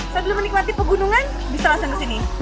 saya belum menikmati pegunungan bisa langsung ke sini